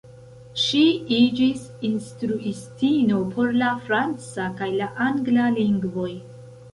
Ŝi iĝis instruistino por la franca kaj la angla lingvoj.